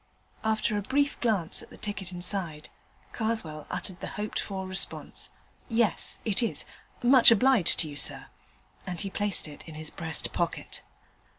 After a brief glance at the ticket inside, Karswell uttered the hoped for response, 'Yes, it is; much obliged to you, sir,' and he placed it in his breast pocket.